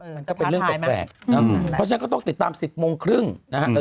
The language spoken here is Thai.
มันก็เป็นเรื่องแปลกเพราะฉะนั้นก็ต้องติดตาม๑๐โมงครึ่งนะฮะ